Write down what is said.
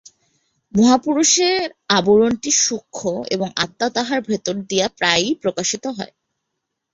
মহাপুরুষে আবরণটি সূক্ষ্ম এবং আত্মা তাঁহার ভিতর দিয়া প্রায়ই প্রকাশিত হয়।